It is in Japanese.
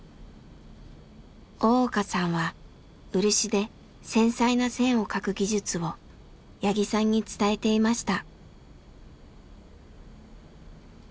大岡さんは漆で繊細な線を描く技術を八木さんに伝えていました。